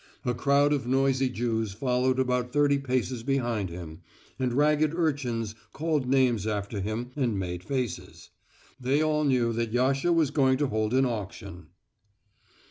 A crowd of noisy Jews followed about thirty paces behind him, and ragged urchins called names after him and made faces. They all knew that Yasha was going to hold an auction.